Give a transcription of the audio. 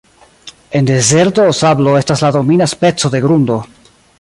En dezerto, sablo estas la domina speco de grundo.